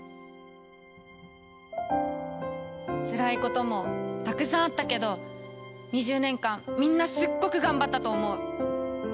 つらいこともたくさんあったけど２０年間みんなすっごく頑張ったと思う。